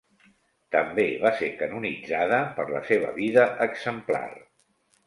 També va ser canonitzada, per la seva vida exemplar.